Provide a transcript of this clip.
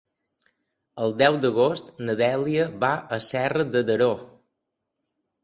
El deu d'agost na Dèlia va a Serra de Daró.